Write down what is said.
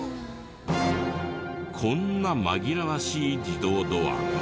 こんな紛らわしい自動ドアが。